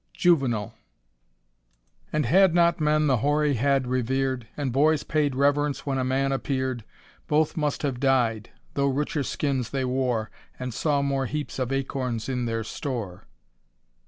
" Jov. And hod not men the hoaiy head revet'ii, And boys paid rev'ience whea a man nppeoi'd, Both must liave died, though liclicr skins tbey ware, And saw mote heaps of acorns in theit store."